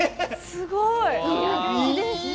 すごい！